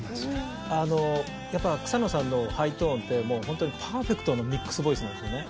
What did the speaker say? あのやっぱ草野さんのハイトーンってもうホントにパーフェクトのミックスボイスなんですよね